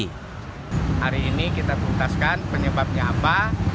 hari ini kita tuntaskan penyebabnya apa